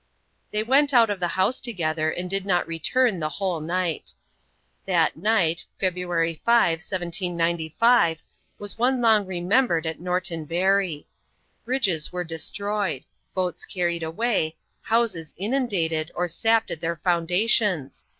They went out of the house together, and did not return the whole night. That night, February 5, 1795, was one long remembered at Norton Bury. Bridges were destroyed boats carried away houses inundated, or sapped at their foundations.